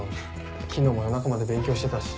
昨日も夜中まで勉強してたし。